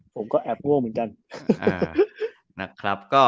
ผมก็แอบง่วงเหมือนกัน